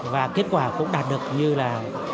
và kết quả cũng đạt được như là